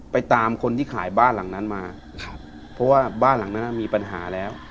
ตามคนที่ขายบ้านหลังนั้นมาครับเพราะว่าบ้านหลังนั้นมีปัญหาแล้ว